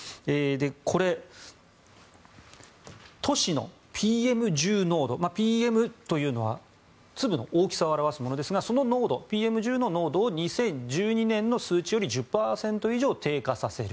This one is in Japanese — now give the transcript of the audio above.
これ、都市のＰＭ１０濃度ＰＭというのは粒の大きさを表すものですがその濃度、ＰＭ１０の濃度を２０１２年の数字より１０％以上低下させる。